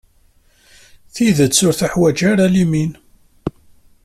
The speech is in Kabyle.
Tidet ur teḥwaǧ ara limin.